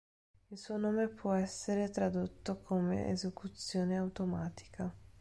Il suo nome può essere tradotto come "esecuzione automatica".